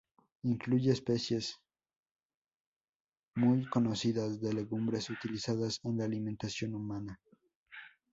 Incluye especies muy conocidas de legumbres utilizadas en la alimentación humana.